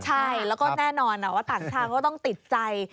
ใช่แล้วก็แน่นอนว่าต่างชาติก็ต้องติดใจ